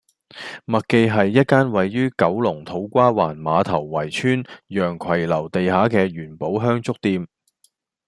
麥記係一間位於九龍土瓜灣馬頭圍邨洋葵樓地下嘅元寶香燭店